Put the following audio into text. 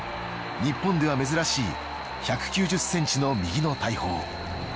日本では珍しい１９０ｃｍの右の大砲。